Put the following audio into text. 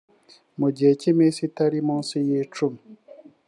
mu gihe cy iminsi itari munsi y icumi